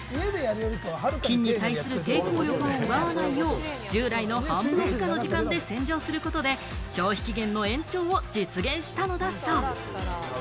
菌に対する抵抗力を奪わないよう、従来の半分以下の時間で洗浄することで、消費期限の延長を実現したのだそう。